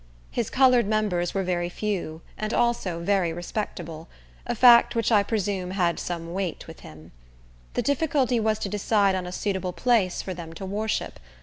His colored members were very few, and also very respectable—a fact which I presume had some weight with him. The difficulty was to decide on a suitable place for them to worship.